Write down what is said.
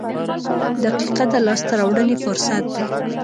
• دقیقه د لاسته راوړنې فرصت دی.